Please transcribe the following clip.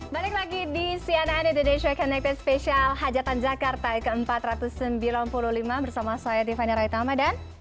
balik lagi di cnn indonesia connected spesial hajatan jakarta ke empat ratus sembilan puluh lima bersama saya tiffany raitama dan